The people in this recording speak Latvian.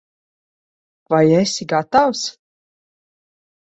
Vai esi gatavs?